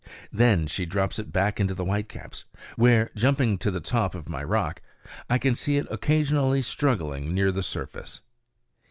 Then she drops it back into the whitecaps, where, jumping to the top of my rock, I can see it occasionally struggling near the surface.